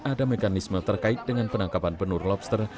ada mekanisme terkait dengan penangkapan penur loster